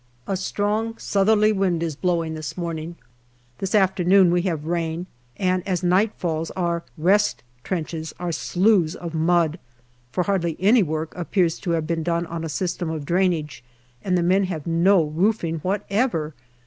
A strong southerly wind is blowing this morning. This afternoon we have rain, and as night falls our " rest trenches " are sloughs of mud, for hardly any work appears to have been done on a system of drainage and the men have no roofing whatever.